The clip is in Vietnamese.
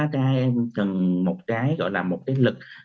cần một cái gọi là một cái lực